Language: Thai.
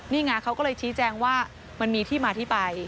นี่ไงเขาก็เลยชี้แจงว่ามันมีที่มาที่ไป